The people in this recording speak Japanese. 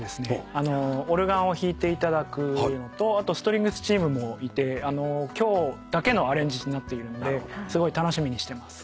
オルガンを弾いていただくのとストリングスチームもいて今日だけのアレンジになっているのですごい楽しみにしてます。